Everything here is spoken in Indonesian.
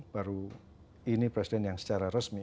baru ini presiden yang secara resmi